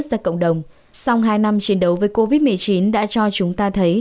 nhưng đối với các cộng đồng sau hai năm chiến đấu với covid một mươi chín đã cho chúng ta thấy